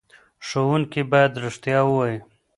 ښوونکي باید رښتیا ووايي.